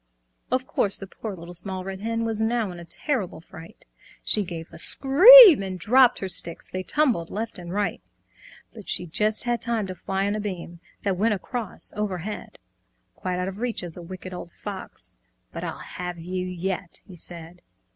Of course the poor Little Small Red Hen Was now in a terrible fright. She gave a scream and dropped her sticks, They tumbled left and right. But she just had time to fly on a beam That went across over head, Quite out of reach of the Wicked Old Fox. "But I'll have you yet," he said.